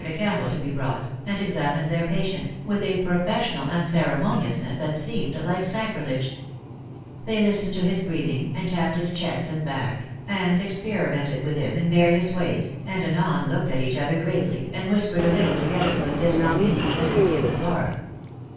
a candle to be brought, and examined their patient, with a pro fessional unceremoniousness that seemed like sacrilege ! They listened to his breathing, and tapped his chest and back, and experimented with him in various ways, and anon looked at each other gravely, and whispered a little together with dismal mean ing, as it seemed to Flora.